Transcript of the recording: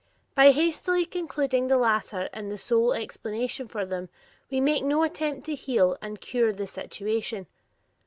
By hastily concluding that the latter is the sole explanation for them, we make no attempt to heal and cure the situation.